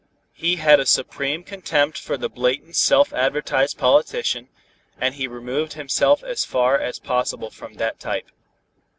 He had a supreme contempt for the blatant self advertised politician, and he removed himself as far as possible from that type.